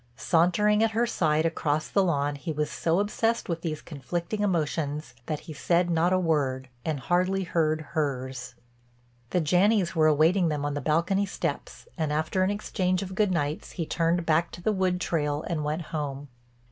Sauntering at her side across the lawn he was so obsessed with these conflicting emotions that he said not a word, and hardly heard hers. The Janneys were awaiting them on the balcony steps and after an exchange of good nights he turned back to the wood trail and went home.